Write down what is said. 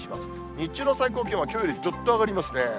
日中の最高気温はきょうよりずっと上がりますね。